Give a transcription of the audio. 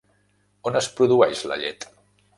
On es produeix la llet?